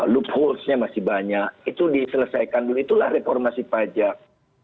loophore nya masih banyak itu diselesaikan dulu itulah reformasi pajak